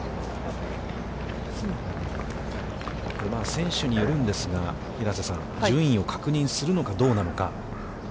選手によるんですが、平瀬さん、順位を確認するのかどうなのか。